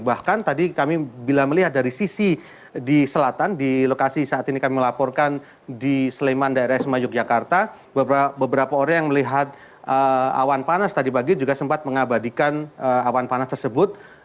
bahkan tadi kami bila melihat dari sisi di selatan di lokasi saat ini kami melaporkan di sleman daerah isma yogyakarta beberapa orang yang melihat awan panas tadi pagi juga sempat mengabadikan awan panas tersebut